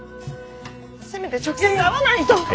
せめて直接会わないと。